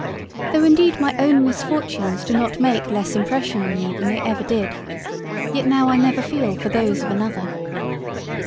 Tho' indeed my own Misfortunes do not make less impression on me than they ever did, yet now I never feel for those of an other.